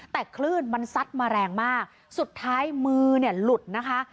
แต่คลื่นมันซัดมาแรงมากสุดท้ายมือเนี่ยหลุดนะคะ